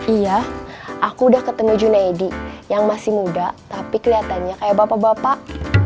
iya aku udah ketemu junaidi yang masih muda tapi kelihatannya kayak bapak bapak